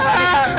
eh sani tenang